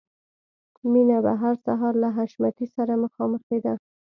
مینه به هر سهار له حشمتي سره مخامخېده